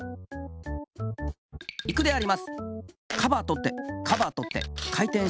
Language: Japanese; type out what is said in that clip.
いくであります。